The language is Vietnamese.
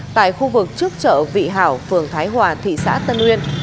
tại khu vực trước chợ vị hảo phường thái hòa thị xã tân uyên